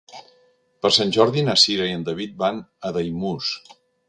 Per Sant Jordi na Cira i en David van a Daimús.